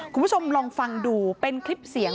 คุณผู้ชมลองฟังดูเป็นคลิปเสียง